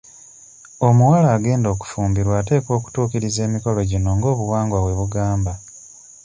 Omuwala agenda okufumbirwa oteekwa okutuukiriza emikolo gino nga obuwangwa bwe bugamba.